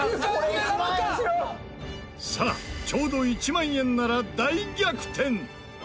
さあちょうど１万円なら大逆転！